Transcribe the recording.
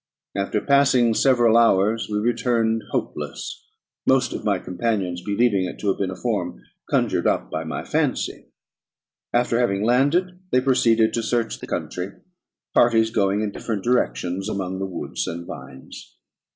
After passing several hours, we returned hopeless, most of my companions believing it to have been a form conjured up by my fancy. After having landed, they proceeded to search the country, parties going in different directions among the woods and vines.